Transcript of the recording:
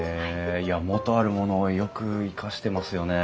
いや元あるものをよく生かしてますよね。